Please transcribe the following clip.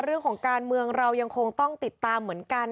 เรื่องของการเมืองเรายังคงต้องติดตามเหมือนกัน